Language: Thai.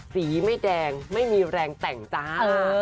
สีไม่แดงไม่มีแรงแต่งจ้า